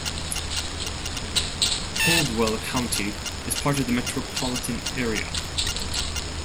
Caldwell County is part of the metropolitan area.